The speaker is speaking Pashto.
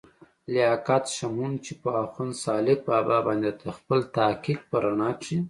لياقت شمعون، چې پۀ اخون سالاک بابا باندې دَخپل تحقيق پۀ رڼا کښې